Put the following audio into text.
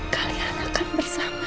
kalian akan bersama